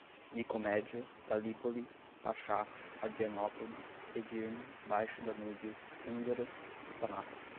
Nicomédia, Galípoli, Paxá, Adrianópolis, Edirne, Baixo Danúbio, húngaras, sultanato